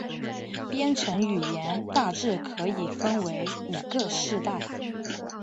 编程语言大致可以分为五个世代。